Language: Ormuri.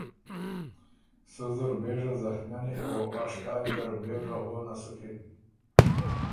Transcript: سُو زر بېژه زخمئنی او اشتای زر بېژه غونه سُکِن۔